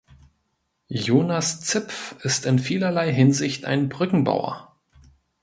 Jonas Zipf ist in vielerlei Hinsicht ein Brückenbauer.